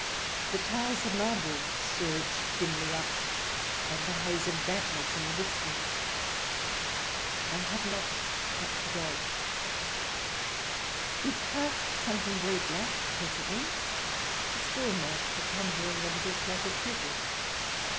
The towers of Marburg surged dimly up out of a haze of dampness in the distance. And I had not got my dog. We passed something very black presently — a schoolmaster convoying a little flock of pupils.